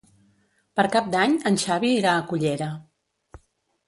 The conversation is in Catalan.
Per Cap d'Any en Xavi irà a Cullera.